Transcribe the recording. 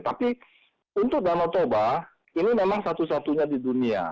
tapi untuk danau toba ini memang satu satunya di dunia